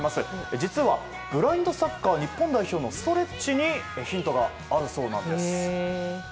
実はブラインドサッカー日本代表のストレッチにヒントがあるそうなんです。